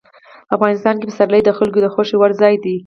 افغانستان کې پسرلی د خلکو د خوښې وړ ځای دی.